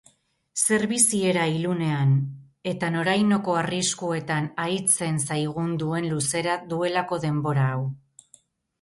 Zer biziera ilunean eta norainoko arriskuetan ahitzen zaigun duen luzera duelako denbora hau!